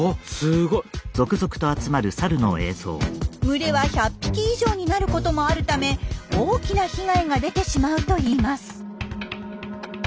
群れは１００匹以上になることもあるため大きな被害が出てしまうといいます。